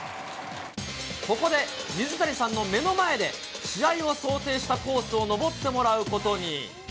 ここで水谷さんの目の前で、試合を想定したコースを登ってもらうことに。